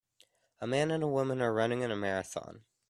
A man and a woman are running in a marathon.